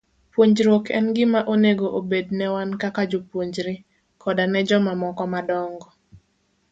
Puonjruok en gima onego obed ne wan kaka jopuonjre, koda ne jomamoko madongo.